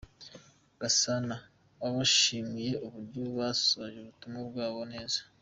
Gasana, wabashimiye uburyo basohoje ubutumwa bwabo neza.